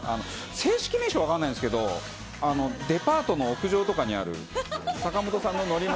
正式名称分かんないんですけど、デパートの屋上とかにある、坂本さんの乗り物。